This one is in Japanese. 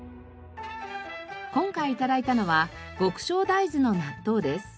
今回頂いたのは極小大豆の納豆です。